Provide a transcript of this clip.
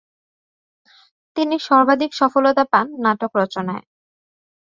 তিনি সর্বাধিকসফলতা পান নাটক রচনায়।